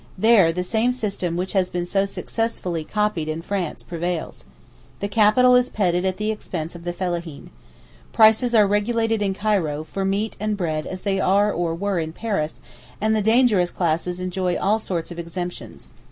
There, the same system which has been so successfully copied in France prevails. The capital is petted at the expense of the fellaheen. Prices are regulated in Cairo for meat and bread as they are or were in Paris, and the 'dangerous classes' enjoy all sorts of exemptions.